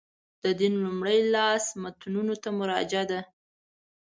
د دین لومړي لاس متنونو ته مراجعه ده.